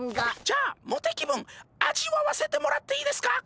じゃあモテ気分味わわせてもらっていいですか？